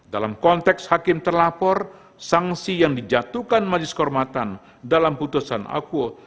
dalam konteks hakim terlapor sanksi yang dijatuhkan majelis kehormatan dalam putusan akuo